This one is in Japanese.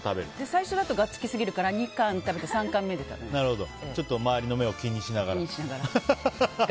最初だとがっつきすぎるから２貫食べてちょっと周りの目を気にしながら？